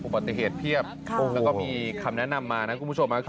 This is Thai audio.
ปฏิเหตุเพียบแล้วก็มีคำแนะนำมานะคุณผู้ชม